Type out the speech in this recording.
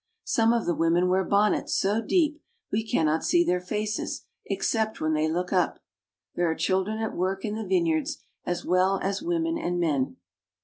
Some of the women wear bonnets so deep we cannot see their faces except when they look up. There are children at work in the vineyards, as well as women and men.